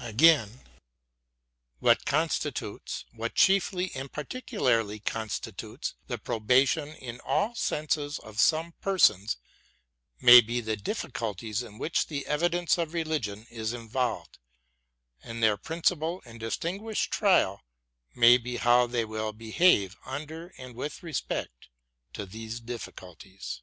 Again : What constitutes, what chiefly and peculiarly constitutes, the probation in all senses of some persons may be the difficulties in which the evidence of religion is involved j and their principal and distinguished trial may be how they will behave under and with respect to these difficulties.